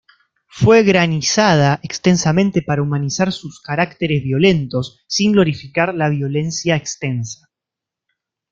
Fue granizada extensamente para humanizar sus caracteres violentos, sin glorificar la violencia extensa.